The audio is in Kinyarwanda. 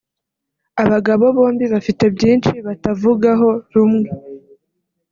abagabo bombi bafite byinshi batavugaho rumwe